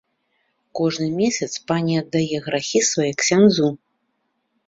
Кожны месяц пані аддае грахі свае ксяндзу.